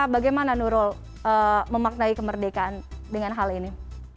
bagaimana nurul memaknai kemerdekaan dengan hal ini